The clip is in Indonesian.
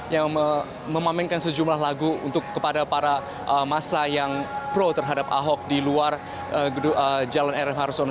yang memainkan sejumlah lagu untuk kepada para masa yang pro terhadap ahok di luar jalan rm harsono